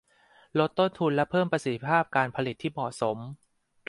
ลดต้นทุนและเพิ่มประสิทธิภาพการผลิตที่เหมาะสม